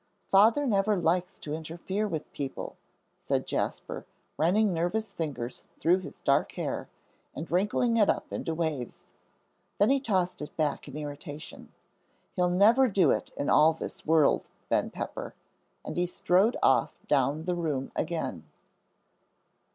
"Father never likes to interfere with people," said Jasper, running nervous fingers through his dark hair, and wrinkling it up into waves. Then he tossed it back in irritation. "He'll never do it in all this world, Ben Pepper!" and he strode off down the room again.